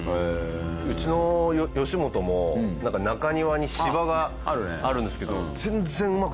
うちの吉本もなんか中庭に芝があるんですけど。